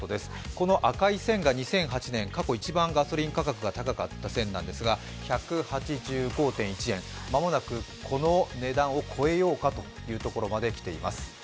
この赤い線が２００８年、過去一番ガソリン価格が高かった線なんですが１８５．１円、間もなくこの値段を超えようかというところまで来ています。